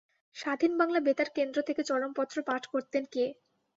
স্বাধীন বাংলা বেতার কেন্দ্র থেকে চরমপত্র পাঠ করতেন কে?